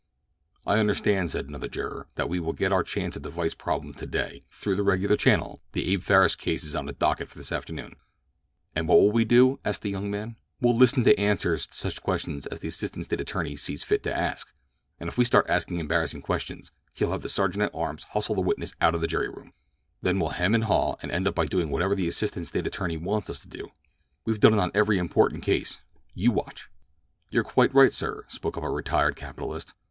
"I understand," said another juror, "that we will get our chance at the vice problem today 'through the regular channel'—the Abe Farris case is on the docket for this afternoon." "And what will we do?" asked the young man. "We'll listen to answers to such questions as the assistant State attorney sees fit to ask, and if we start asking embarrassing questions he'll have the sergeant at arms hustle the witness out of the jury room. Then we'll hem and haw, and end up by doing whatever the assistant State attorney wants us to do. We've done it on every important case—you watch." "You are quite right, sir," spoke up a retired capitalist.